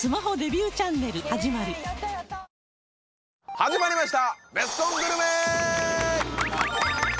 始まりました